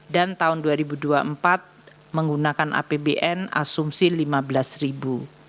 dan tahun dua ribu dua puluh empat menggunakan apbn asumsi rp lima belas